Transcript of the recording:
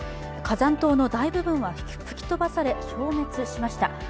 火山島の大部分は吹き飛ばされ消滅しました。